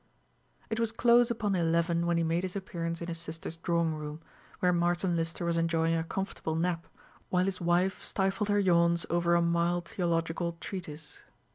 It was close upon eleven when he made his appearance in his sister's drawing room, where Martin Lister was enjoying a comfortable nap, while his wife stifled her yawns over a mild theological treatise.